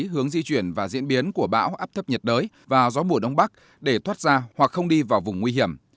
hướng di chuyển và diễn biến của bão áp thấp nhiệt đới và gió mùa đông bắc để thoát ra hoặc không đi vào vùng nguy hiểm